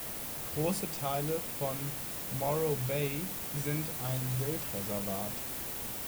Große Teile von Morro Bay sind ein Wildreservat.